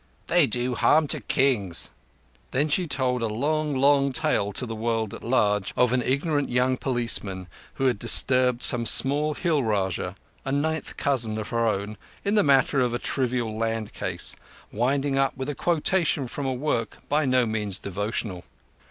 They do harm to Kings." Then she told a long, long tale to the world at large, of an ignorant young policeman who had disturbed some small Hill Rajah, a ninth cousin of her own, in the matter of a trivial land case, winding up with a quotation from a work by no means devotional.